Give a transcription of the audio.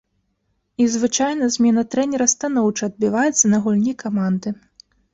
І звычайна змена трэнера станоўча адбіваецца на гульні каманды.